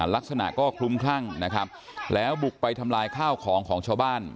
ลักษณะก็คลุมคลั่งนะครับแล้วบุกไปทำลายข้าวของของชาวบ้าน